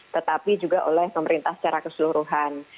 tetapi juga oleh pemerintah secara keseluruhan